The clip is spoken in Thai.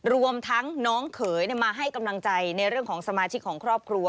รวมทั้งน้องเขยมาให้กำลังใจในเรื่องของสมาชิกของครอบครัว